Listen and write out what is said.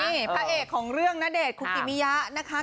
นี่พระเอกของเรื่องณเดชนคุกิมิยะนะคะ